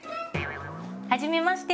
はじめまして！